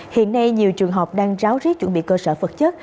hiện nay nhiều trường học đang ráo rít chuẩn bị cơ sở vật chất